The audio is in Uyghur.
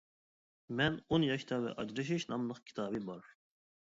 «مەن ئون ياشتا ۋە ئاجرىشىش» ناملىق كىتابى بار.